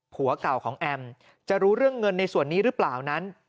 ผัวเก่าของแอมจะรู้เรื่องเงินในส่วนนี้หรือเปล่านั้น